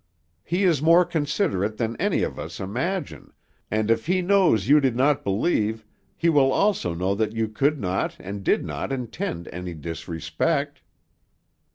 "He is more considerate than any of us imagine, and if He knows you did not believe, He will also know that you could not, and did not intend any disrespect."